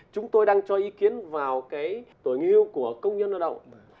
chúng tôi đang cho ý kiến vào cái tổ nghiêu của công nhân lao động